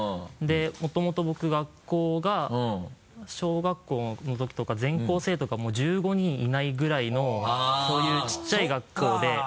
でもともと僕学校が小学校のときとか全校生徒がもう１５人いないぐらいのそういう小さい学校で。